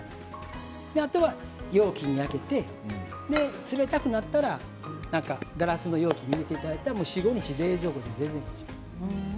あとは容器にあけて冷たくなったらガラスの容器に入れていただいて４、５日冷蔵庫で全然大丈夫です。